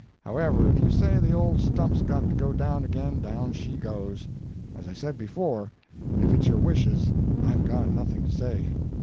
However, if you say the old stump's got to go down again, down she goes. As I said before, if it's your wishes, I've got nothing to say.